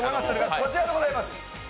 こちらでございます。